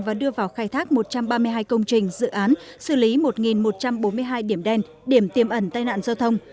và đưa vào khai thác một trăm ba mươi hai công trình dự án xử lý một một trăm bốn mươi hai điểm đen điểm tiêm ẩn tai nạn giao thông